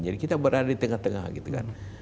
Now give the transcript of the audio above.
jadi kita berada di tengah tengah gitu kan